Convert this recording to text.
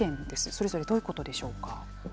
それぞれどういうことでしょうか。